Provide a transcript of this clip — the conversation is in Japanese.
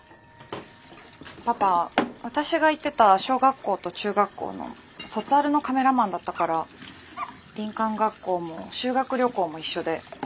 パパ私が行ってた小学校と中学校の卒アルのカメラマンだったから林間学校も修学旅行も一緒で。